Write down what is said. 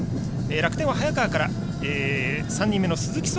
楽天は早川から３人目の鈴木翔